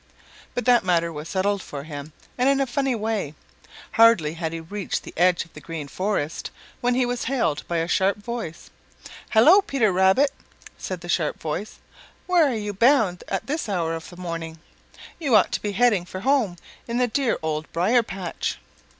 But that matter was settled for him, and in a funny way. Hardly had he reached the edge of the Green Forest when he was hailed by a sharp voice. "Hello, Peter Rabbit!" said this sharp voice. "Where are you bound at this hour of the morning? You ought to be heading for home in the dear Old Briar patch."